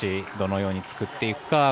そのように作っていくか。